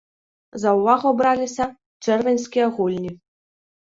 За ўвагу браліся чэрвеньскія гульні.